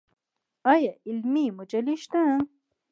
آیا علمي مجلې شته؟